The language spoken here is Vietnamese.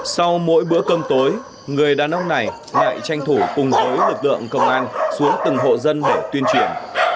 sau mỗi bữa cơm tối người đàn ông này lại tranh thủ cùng với lực lượng công an xuống từng hộ dân để tuyên truyền